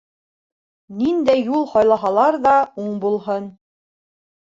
Ниндәй юл һайлаһалар ҙа уң булһын.